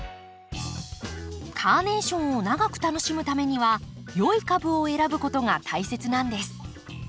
カーネーションを長く楽しむためには良い株を選ぶことが大切なんです。